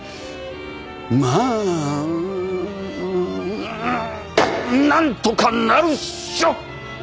まあなんとかなるっしょ！